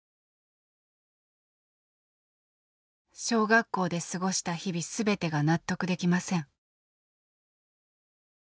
「小学校で過ごした日々全てが納得できません」。